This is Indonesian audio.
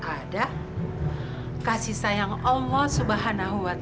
ada kasih sayang allah swt